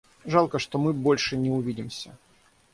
Жалко, что мы больше не увидимся.